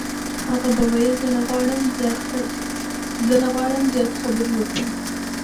هغه به ویل چې زه نه غواړم زیاتې خبرې وکړم.